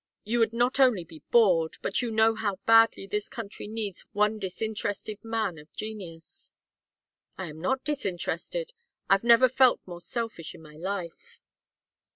You would not only be bored, but you know now how badly this country needs one disinterested man of genius." "I am not disinterested. I never felt more selfish in my life."